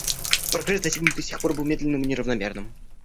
Прогресс, достигнутый с тех пор, был медленным и неравномерным.